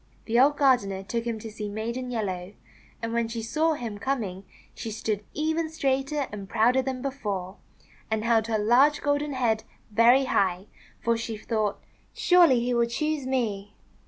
The old gardener took him to see Maiden Yellow, and when she saw him coming she stood even straighter and prouder than before, and held her large golden head very high, for she thought, "Surely he will choose me."